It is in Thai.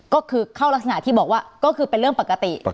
ก็คือเข้ารักษณะที่บอกว่าก็คือเป็นเรื่องปกติ